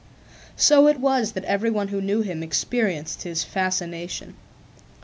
So it was that every one who knew him experienced his fascination.